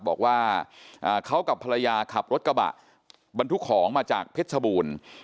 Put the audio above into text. บอกว่าเขากับภรรยาขับรถกระบะบรรทุกของมาจากเพชรชบูรณ์